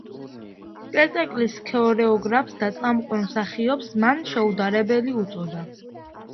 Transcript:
სპექტაკლის ქორეოგრაფს და წამყვან მსახიობს, მან „შეუდარებელი“ უწოდა.